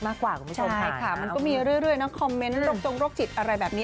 มันก็มีเรื่อยนะคอมเม้นต์รกจงรกจิตอะไรแบบนี้